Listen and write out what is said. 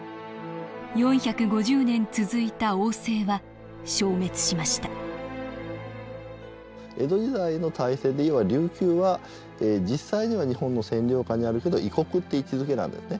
４５０年続いた王制は消滅しました江戸時代の体制でいえば琉球は実際には日本の占領下にあるけど異国って位置づけなんですね。